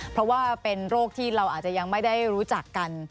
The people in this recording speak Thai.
เพราะว่าเป็นโรคที่เราอาจจะยังไม่ได้รู้จักกัน